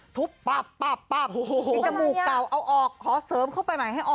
สนุกเก่าเอาออกขอเสริมเข้าไปให้